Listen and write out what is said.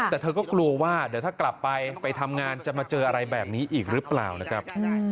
แต่เธอก็กลัวว่าเดี๋ยวถ้ากลับไปไปทำงานจะมาเจออะไรแบบนี้อีกหรือเปล่านะครับ